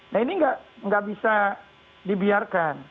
nah ini nggak bisa dibiarkan